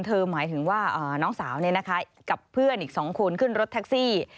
เธอหมายถึงว่าน้องสาวนี้นะคะกับเพื่อนอีกสองคนขึ้นรถแท็กซี่